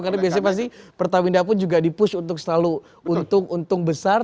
karena biasanya pertamina pun dipush untuk untung untung besar